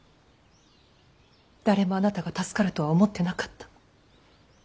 誰もあなたが助かるとは思ってなかった。